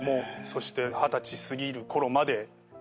そして二十歳過ぎるころまでは。